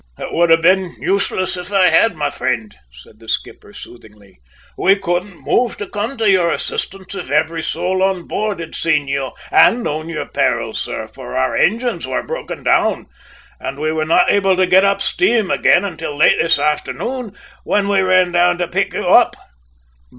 "It would have been useless if I had, my friend," said the skipper soothingly. "We couldn't move to come to your assistance if every soul on board had seen you and known your peril, sir; for our engines were broken down and we were not able to get up steam again until late this afternoon, when we ran down to pick you up!"